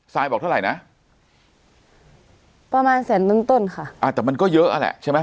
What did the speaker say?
บอกเท่าไหร่นะประมาณแสนเบื้องต้นค่ะอ่าแต่มันก็เยอะอ่ะแหละใช่ไหม